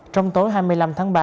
trong tối hai mươi năm tháng ba